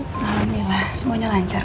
alhamdulillah semuanya lancar